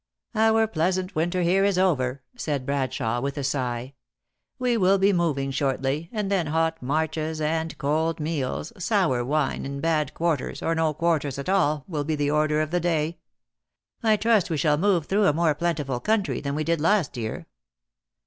"Our pleasant winter here is over, said Bradshawe, with a sigh. "We will be moving shortly, and then hot marches and cold meals, sour wine and bad quar ters, or no quarters at all, will be the order of the day. I trust we shall move through a more plentiful country than we did last year."